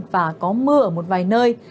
và có mưa ở một vài nơi